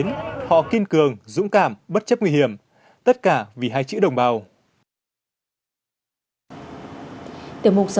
còn người thanh niên là tái trạng là đi gái thuyền quá cửu